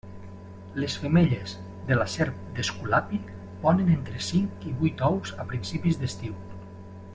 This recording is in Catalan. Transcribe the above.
Les femelles de la serp d'Esculapi ponen entre cinc i vuit ous a principis d'estiu.